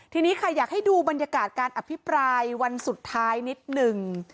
ทีนี้ค่ะอยากให้ดูบรรยากาศการอภิปรายวันสุดท้ายนิดหนึ่ง